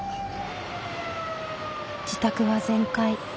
自宅は全壊。